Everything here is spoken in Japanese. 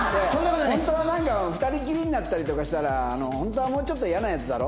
ホントはなんか２人きりになったりとかしたらホントはもうちょっと嫌なヤツだろ？